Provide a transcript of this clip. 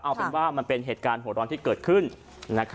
เอาเป็นว่ามันเป็นเหตุการณ์หัวร้อนที่เกิดขึ้น